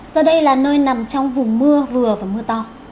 do đây là nơi nằm trong vùng mưa vừa và mưa to